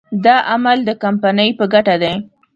دا عمل د کمپنۍ په ګټه دی.